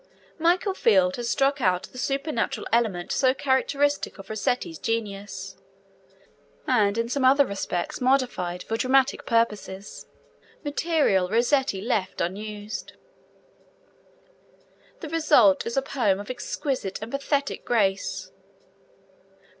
Michael Field has struck out the supernatural element so characteristic of Rossetti's genius, and in some other respects modified for dramatic purposes material Rossetti left unused. The result is a poem of exquisite and pathetic grace.